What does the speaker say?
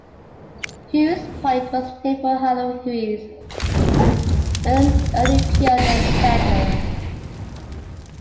Hewes Point was named for Paola Hewes, an early pioneer settler.